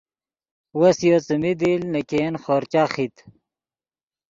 وس یو څیمین دیل نے ګین خورچہ خیت